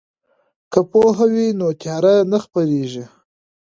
که پوهه وي نو تیاره نه خپریږي.